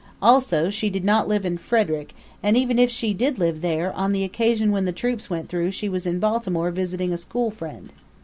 Also, she did not live in Frederick; and even if she did live there, on the occasion when the troops went through she was in Baltimore visiting a school friend.